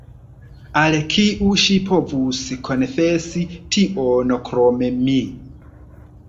Al kiu ŝi povus konfesi tion krom mi?